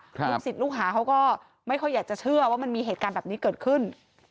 ลูกศิษย์ลูกหาเขาก็ไม่ค่อยอยากจะเชื่อว่ามันมีเหตุการณ์แบบนี้เกิดขึ้น